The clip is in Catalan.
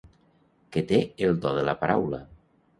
Que té el do de la paraula.